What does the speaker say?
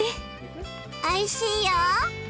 おいしいよ。